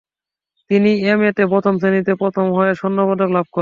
তিনি M. A. তে প্রথম শ্রেনীতে প্রথম হয়ে স্বর্ণপদক লাভ করেন।